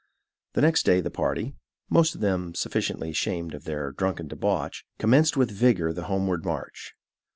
The next day the party, most of them sufficiently ashamed of their drunken debauch, commenced with vigor the homeward march.